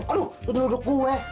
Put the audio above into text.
aduh lu duduk gue